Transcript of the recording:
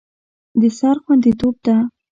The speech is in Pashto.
د سر خوندیتوب ده.